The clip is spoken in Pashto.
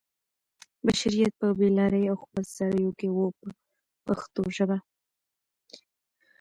بشریت په بې لارۍ او خپل سرویو کې و په پښتو ژبه.